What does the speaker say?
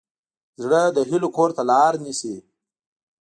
زړه د هیلو کور ته لار نیسي.